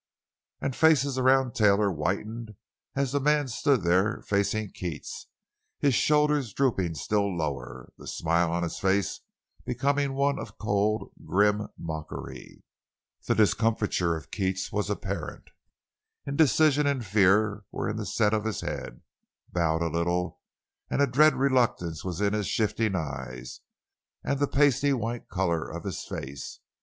And faces around Taylor whitened as the man stood there facing Keats, his shoulders drooping still lower, the smile on his face becoming one of cold, grim mockery. The discomfiture of Keats was apparent. Indecision and fear were in the set of his head—bowed a little; and a dread reluctance was in his shifting eyes and the pasty white color of his face.